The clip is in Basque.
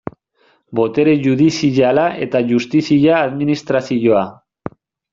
Botere judiziala eta justizia administrazioa.